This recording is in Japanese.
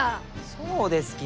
そうですき！